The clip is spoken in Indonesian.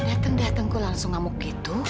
dateng datengku langsung ngamuk gitu